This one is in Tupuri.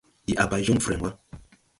Ndi a bay jɔŋ frɛŋ wà.